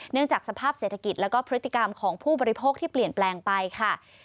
จากสภาพเศรษฐกิจแล้วก็พฤติกรรมของผู้บริโภคที่เปลี่ยนแปลงไปค่ะ